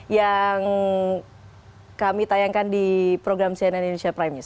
yang kami tayangkan di program cnn indonesia prime news